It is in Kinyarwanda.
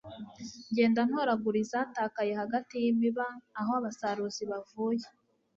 ngende ntoragura izatakaye hagati y'imiba, aho abasaruzi bavuye